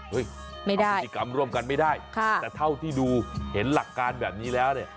ไม่ได้พฤติกรรมร่วมกันไม่ได้ค่ะแต่เท่าที่ดูเห็นหลักการแบบนี้แล้วเนี่ย